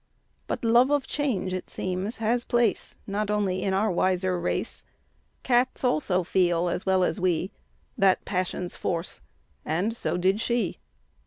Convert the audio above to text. But love of change, it seems, has place Not only in our wiser race; Cats also feel, as well as we, That passion's force, and so did she.